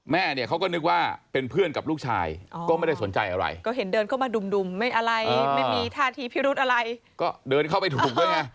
แม่เนี่ยเขาก็นึกว่าเป็นเพื่อนกับลูกชายก็ไม่ได้สนใจอะไรก็เห็นเดินเข้ามาดุ่มไม่อะไรไม่มีท่าทีพิรุธอะไรก็เดินเข้าไปถูกด้วยไง